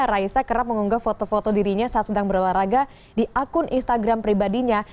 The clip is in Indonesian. raisa kerap mengunggah foto foto dirinya saat sedang berolahraga di akun instagram pribadinya